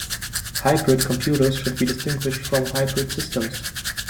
Hybrid computers should be distinguished from hybrid systems.